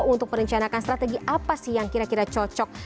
untuk merencanakan strategi apa sih yang kira kira cocok